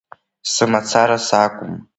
Сымацара сакәым.